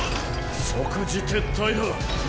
即時撤退だ！